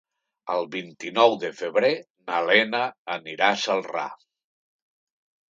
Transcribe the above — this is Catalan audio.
El vint-i-nou de febrer na Lena anirà a Celrà.